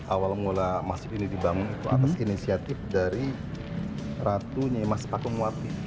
awal mula masjid ini dibangun itu atas inisiatif dari ratu nyema sepakung muwati